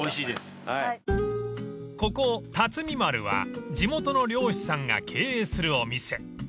［ここ竜海丸は地元の漁師さんが経営するお店］